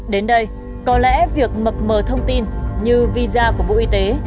đến đây có lẽ việc mập mờ thông tin như visa của bộ y tế